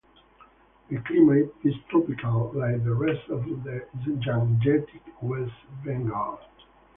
The climate is tropical, like the rest of the Gangetic West Bengal.